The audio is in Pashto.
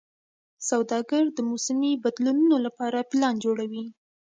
سوداګر د موسمي بدلونونو لپاره پلان جوړوي.